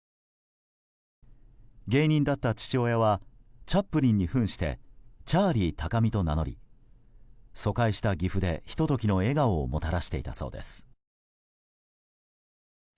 芸人だった父親はチャップリンに扮してチャーリー高見と名乗り疎開した岐阜でひと時の笑顔をもたらしていたそうです。